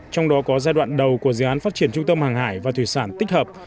trong đó có giai đoạn đầu của dự án phát triển trung tâm hàng hải và thủy sản tích hợp